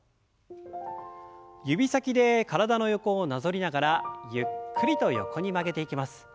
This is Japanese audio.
指先で体の横をなぞりながらゆっくりと横に曲げていきます。